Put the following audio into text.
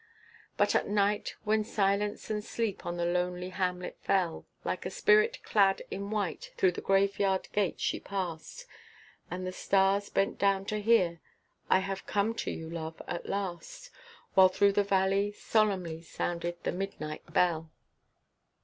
But at night, when silence and sleep on the lonely hamlet fell Like a spirit clad in white through the graveyard gate she passed, And the stars bent down to hear, "I have come to you, love, at last," While through the valley solemnly sounded the midnight bell.